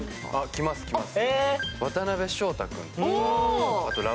来ます、来ます。